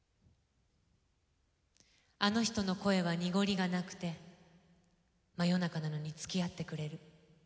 あの女の声は濁りがなくて真夜中なのにつきあってくれる。